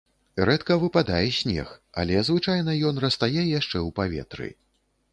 Рэдка выпадае снег, але звычайна ён растае яшчэ ў паветры.